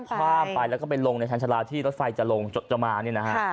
ข้ามไปแล้วก็ไปลงในทันชะลาที่รถไฟจะลงจะมานี่นะฮะ